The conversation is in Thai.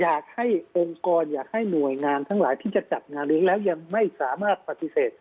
อยากให้องค์กรอยากให้หน่วยงานทั้งหลายที่จะจัดงานเลี้ยงแล้วยังไม่สามารถปฏิเสธ